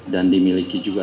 dan dimiliki juga